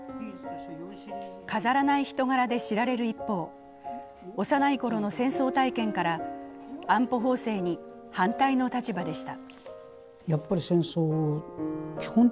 飾らない人柄で知られる一方、幼いころの戦争体験から、安保法制に反対の立場でした。